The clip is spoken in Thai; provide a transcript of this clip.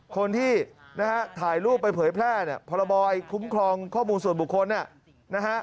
คนที่ถ่ายรูปไปเผยแพร่พระบอยคุ้มครองข้อมูลส่วนบุคคล